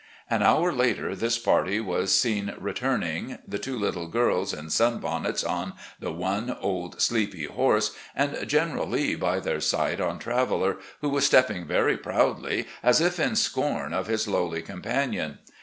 An hour later, this party was seen returning, the two little girls in sun bonnets on the one old, sleepy horse, and General Lee by their side on Traveller, who was stepping very proudly, as if in scorn of his lowly compan ion.